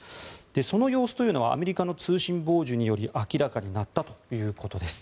その様子というのはアメリカの通信傍受により明らかになったということです。